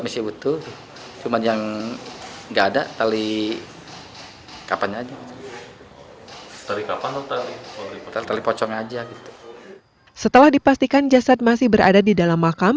masih utuh cuma yang enggak ada tali tali kapan aja setelah dipastikan jasad masih berada di dalam